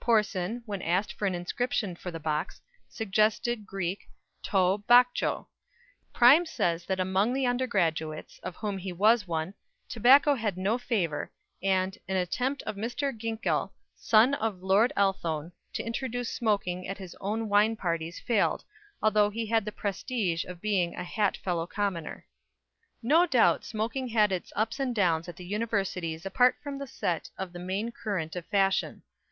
Porson, when asked for an inscription for the box, suggested "Τῷ βακχῳ." Pryme says that among the undergraduates, of whom he was one, tobacco had no favour, and "an attempt of Mr. Ginkell, son of Lord Athlone ... to introduce smoking at his own wine parties failed, although he had the prestige of being a hat fellow commoner." No doubt smoking had its ups and downs at the Universities apart from the set of the main current of fashion.